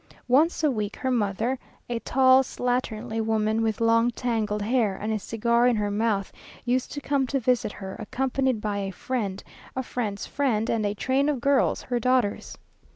Once a week, her mother, a tall, slatternly woman, with long tangled hair, and a cigar in her mouth, used to come to visit her, accompanied by a friend, a friend's friend, and a train of girls, her daughters.